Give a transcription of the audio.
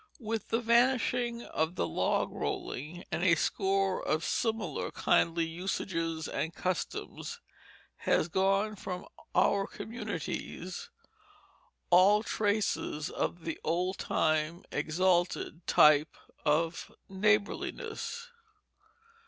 With the vanishing of the log rolling, and a score of similar kindly usages and customs, has gone from our communities all traces of the old time exalted type of neighborliness.